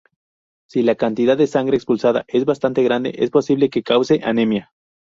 Si la cantidad de sangre expulsada es bastante grande es posible que cause anemia.